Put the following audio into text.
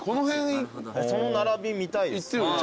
その並び見たいですね。